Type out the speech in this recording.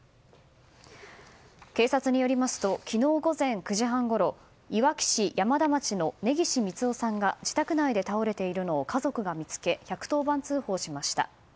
警察によりますと昨日、午前９時半ごろいわき市山田町の根岸三男さんが自宅内で倒れているのを家族が見つけ１１０番通報しました。